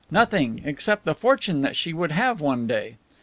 Nothing except the fortune that she would have one day.